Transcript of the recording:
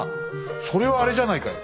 それはあれじゃないかい。